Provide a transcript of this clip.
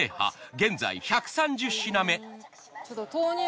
現在１３０品目。